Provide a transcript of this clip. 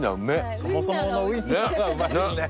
そもそものウィンナーがうまいですね。